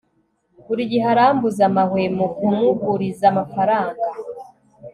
buri gihe arambuza amahwemo kumuguriza amafaranga